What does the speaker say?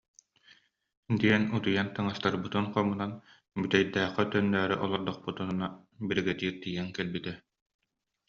диэн утуйар таҥастарбытын хомунан, Бүтэйдээххэ төннөөрү олордохпутуна, биригэдьиир тиийэн кэлбитэ